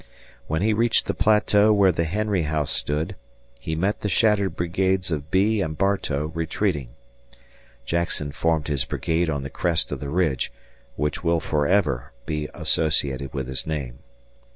When he reached the plateau where the Henry house stood, he met the shattered brigades of Bee and Bartow retreating. Jackson formed his brigade on the crest of the ridge, which will forever be associated with his name.